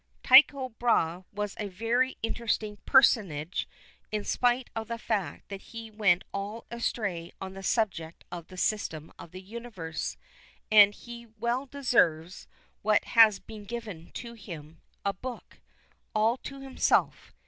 Tycho Brahe was a very interesting personage in spite of the fact that he went all astray on the subject of the system of the Universe, and he well deserves, what has been given to him, a book all to himself.